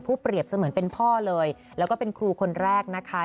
เปรียบเสมือนเป็นพ่อเลยแล้วก็เป็นครูคนแรกนะคะ